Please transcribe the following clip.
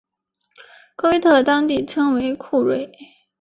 科威特当时称为库锐。